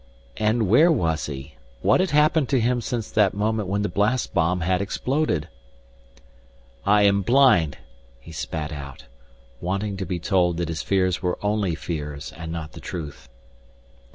And where was he? What had happened to him since that moment when the blast bomb had exploded? "I am blind," he spat out, wanting to be told that his fears were only fears and not the truth.